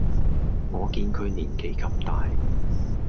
我見佢年紀咁大